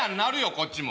こっちも。